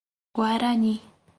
Guarani